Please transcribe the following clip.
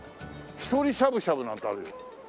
一人しゃぶしゃぶなんてあるよ。